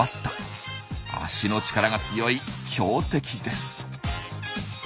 脚の力が強い強敵です。